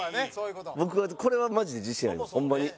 僕は、これはマジで自信あります、ホンマに。